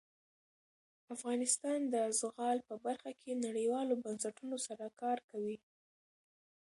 افغانستان د زغال په برخه کې نړیوالو بنسټونو سره کار کوي.